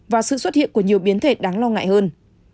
và sự xuất hiện của nhiều biến thể đáng lo ngại hơn